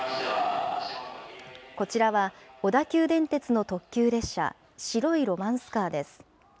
こちらは、小田急電鉄の特急列車、白いロマンスカーです。